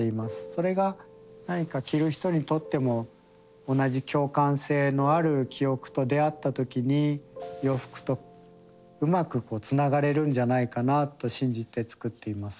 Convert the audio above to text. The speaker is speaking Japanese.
それが何か着る人にとっても同じ共感性のある記憶と出会った時に洋服とうまくつながれるんじゃないかなと信じて作っています。